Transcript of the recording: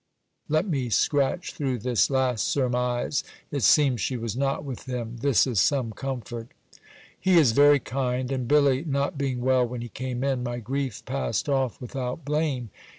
Let me scratch through this last surmise. It seems she was not with him. This is some comfort. He is very kind: and Billy not being well when he came in, my grief passed off without blame.